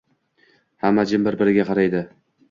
Hamma jim bir biriga qaraydi.